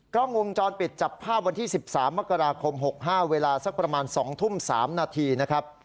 กล้องวงจรปิดจับภาพวันที่๑๓มกราคม๖๕เวลาสักประมาณ๒ทุ่ม๓นาทีนะครับ